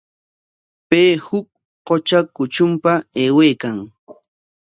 Pay huk qutra kutrunpa aywaykan.